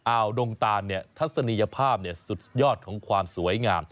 ดงตานทัศนียภาพสุดยอดของความสวยงาม